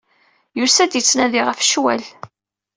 Yusa-d, yettnadi ɣef ccwal.